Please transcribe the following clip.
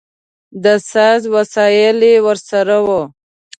د ساز وسایل یې ورسره و.